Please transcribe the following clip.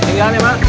tinggal ya mak